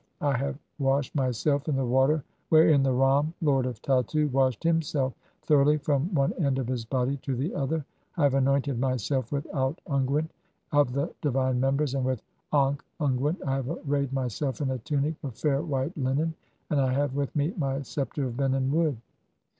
I have "washed myself in the water wherein the Ram, Lord of Tattu, "washed himself thoroughly from one end of his body to the "other. I have (36) anointed myself with ant unguent of the "divine members, and with ankh unguent, I have arrayed my "self in a tunic of fair white linen, and I have with me my "sceptre of benen wood."